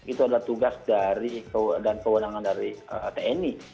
itu adalah tugas dari dan kewenangan dari tni